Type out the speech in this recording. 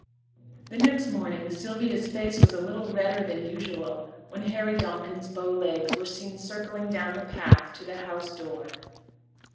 The next morning, Sylvia's face was a little redder than usual when Harry Donkin's bow legs were seen circling down the path to the house door.